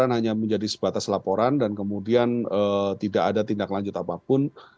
hanya menjadi sebatas laporan dan kemudian tidak ada tindak lanjut apapun